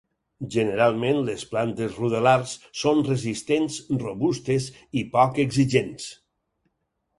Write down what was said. Generalment les plantes ruderals són resistents, robustes i poc exigents.